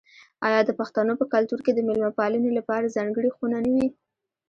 آیا د پښتنو په کلتور کې د میلمه پالنې لپاره ځانګړې خونه نه وي؟